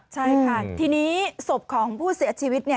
ใช่ค่ะทีนี้ศพของผู้เสียชีวิต